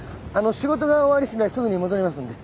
仕事が終わりしだいすぐに戻りますんで。